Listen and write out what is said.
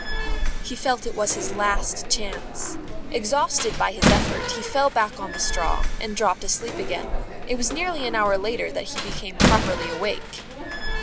_ He felt it was his last chance. Exhausted by his effort, he fell back on the straw and dropped asleep again. It was nearly an hour later that he became properly awake.